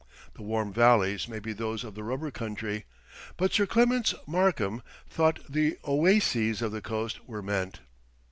The "warm valleys" may be those of the rubber country, but Sir Clements Markham thought the oases of the coast were meant.